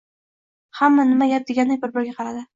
Hamma nima gap degandek bir-biriga qaradi